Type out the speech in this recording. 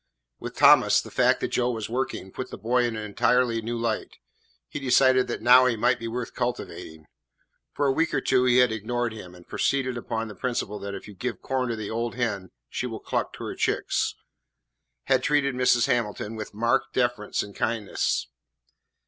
With Thomas, the fact that Joe was working put the boy in an entirely new light. He decided that now he might be worth cultivating. For a week or two he had ignored him, and, proceeding upon the principle that if you give corn to the old hen she will cluck to her chicks, had treated Mrs. Hamilton with marked deference and kindness.